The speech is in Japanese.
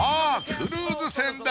クルーズ船だ！